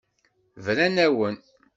Bran-awen.